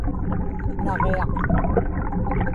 naġiaq